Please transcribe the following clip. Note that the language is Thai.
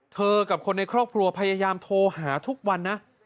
กับคนในครอบครัวพยายามโทรหาทุกวันนะ